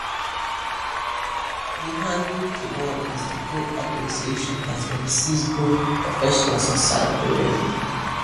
The Hanguk Kiwon is the Go organization that oversees go professionals in South Korea.